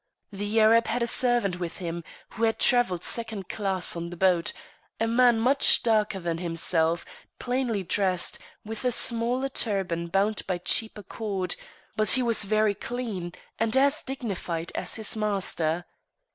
The Arab had a servant with him, who had travelled second class on the boat, a man much darker than himself, plainly dressed, with a smaller turban bound by cheaper cord; but he was very clean, and as dignified as his master.